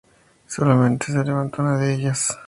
Solamente se levantó una de ellas.